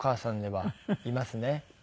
はい。